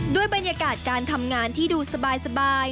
ด้วยบรรยากาศการทำงานที่ดูสบาย